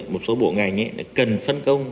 một số bộ ngành cần phân công